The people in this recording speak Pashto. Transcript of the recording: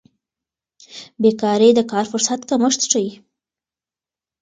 بیکاري د کار فرصت کمښت ښيي.